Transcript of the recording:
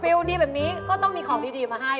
ดีแบบนี้ก็ต้องมีของดีมาให้